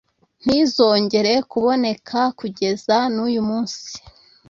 ntizongeye kuboneka kugeza n’ uyu munsi